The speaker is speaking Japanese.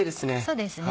そうですね